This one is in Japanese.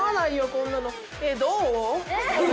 こんなのえっどう？